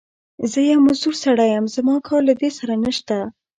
زه يو مزدور سړی يم، زما کار له دې سره نشته.